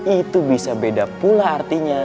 itu bisa beda pula artinya